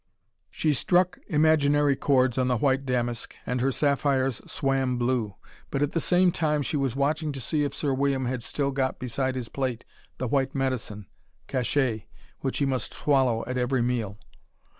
She struck imaginary chords on the white damask, and her sapphires swam blue. But at the same time she was watching to see if Sir William had still got beside his plate the white medicine cachet which he must swallow at every meal.